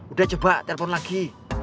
udah coba telpon lagi